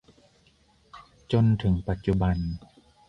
จนถึงปัจจุบัน